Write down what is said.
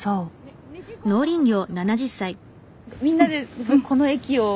みんなでこの駅を。